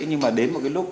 nhưng mà đến một cái lúc